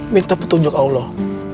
minta petunjuk allah